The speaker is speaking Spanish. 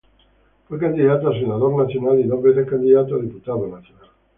Fue candidato a senador nacional y dos veces candidato a diputado nacional.